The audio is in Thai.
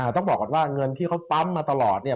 ต้องบอกก่อนว่าเงินที่เขาปั๊มมาตลอด